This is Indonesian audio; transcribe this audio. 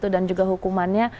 dan juga hukumannya